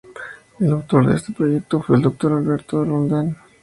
El autor de este proyecto fue el doctor Alberto D. Roldán.